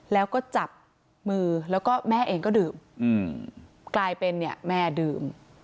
แล้วก็จับมือแล้วก็แม่เองก็ดื่มกลายเป็นเนี่ยแม่ดื่ม